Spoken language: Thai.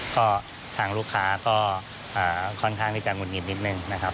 ก็ทางลูกค้าก็ค่อนข้างที่จะหงุดหงิดนิดนึงนะครับ